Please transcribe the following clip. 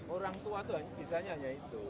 orang tua tuh pisahnya hanya itu